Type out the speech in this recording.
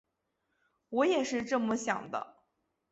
我也是这么想的